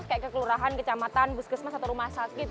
seperti ke kelurahan ke kecamatan poskesmas atau rumah sakit gitu